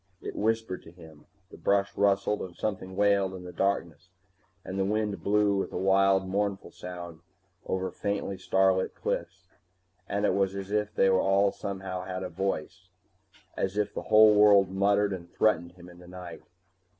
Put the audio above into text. It whispered to him. The brush rustled and something wailed in darkness and the wind blew with a wild mournful sound over faintly starlit cliffs, and it was as if they all somehow had voice, as if the whole world muttered and threatened him in the night.